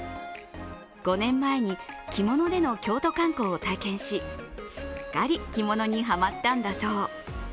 ５年前に着物での京都観光を体験しすっかり着物にハマったんだそう。